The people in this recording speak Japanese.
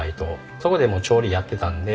そこでも調理やってたんで。